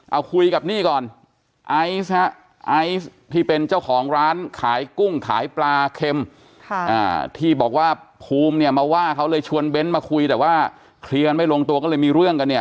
เอาคุยกับนี่ก่อนไอซ์ฮะไอซ์ที่เป็นเจ้าของร้านขายกุ้งขายปลาเค็มที่บอกว่าภูมิเนี่ยมาว่าเขาเลยชวนเบ้นมาคุยแต่ว่าเคลียร์ไม่ลงตัวก็เลยมีเรื่องกันเนี่ย